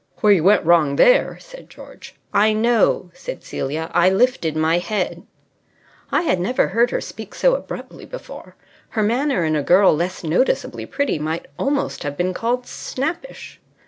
"Where you went wrong there " said George. "I know," said Celia. "I lifted my head." I had never heard her speak so abruptly before. Her manner, in a girl less noticeably pretty, might almost have been called snappish.